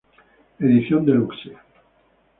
Edición Deluxe